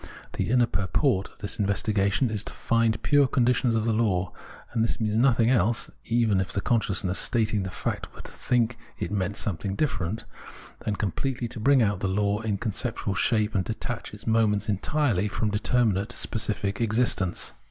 The inner purport of this investigation is to find pure conditions of the law ; and this means nothing else (even if the consciousness stating the fact were to think it meant something different) than completely to bring out the law in conceptual shape and detach its moments entirely from determinate specific existence.